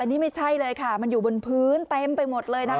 นี่ไม่ใช่เลยค่ะมันอยู่บนพื้นเต็มไปหมดเลยนะคะ